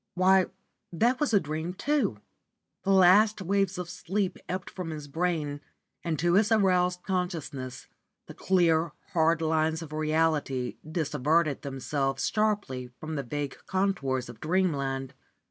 why, that was a dream too! The last waves of sleep ebbed from his brain and to his aroused consciousness the clear, hard lines of reality dissevered themselves sharply from the vague contours of dreamland.